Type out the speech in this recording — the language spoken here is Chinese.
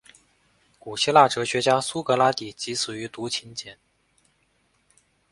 古希腊哲学家苏格拉底即死于毒芹碱。